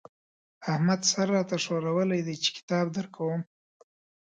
احمد سر را ته ښورولی دی چې کتاب درکوم.